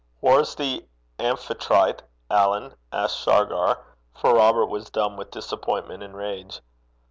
'Whaur's the Amphitrite, Alan?' asked Shargar, for Robert was dumb with disappointment and rage.